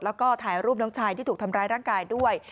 แล้วก็ถ่ายรูปน้องชายที่ถูกทำร้ายร่างกายด้วย